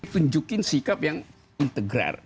tunjukin sikap yang integrer